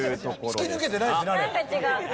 あれ突き抜けてないですね。